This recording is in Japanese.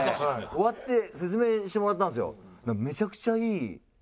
終わって説明してもらったんですよ。